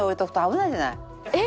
えっ！